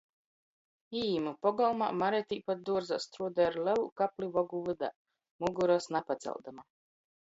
Īīmu pogolmā, Mare tīpat duorzā, struodoj ar lelū kapli vogu vydā, mugorys napacaldama.